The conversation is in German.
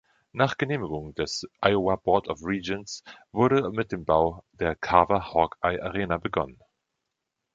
Nach Genehmigung durch das Iowa Board of Regents wurde mit dem Bau der Carver-Hawkeye Arena begonnen.